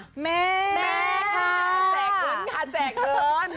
แสกเงินค่ะแสกเงิน